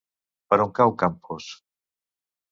Per on cau Campos?